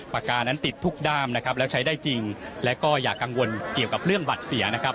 ปากกานั้นติดทุกด้ามนะครับแล้วใช้ได้จริงและก็อย่ากังวลเกี่ยวกับเรื่องบัตรเสียนะครับ